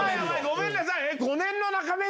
ごめんなさい。